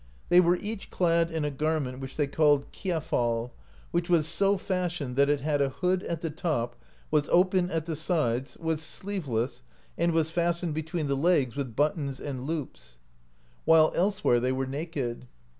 They w^ere each clad in a garment which they called "kiafal," wiiich was so fashioned that it had a hood at the top, was open at the sides, w^as sleeveless, and was fastened between the legs with buttons and loops, 51 AMERICA DISCOVERED BY NORSEMEN while elsewhere they were naked.